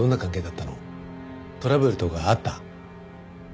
トラブルとかあった？